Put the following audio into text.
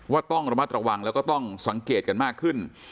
ต้องระมัดระวังแล้วก็ต้องสังเกตกันมากขึ้น